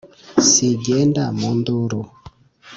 Si igenda mu nduru !»